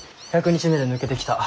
１００日目で抜けてきた。